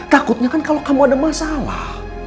takutnya kan kalau kamu ada masalah